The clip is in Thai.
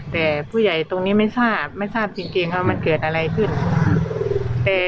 แต่ผู้ใหญ่ตรงนี้ไม่ทราบไม่ทราบจริงว่ามันเกิดอะไรขึ้น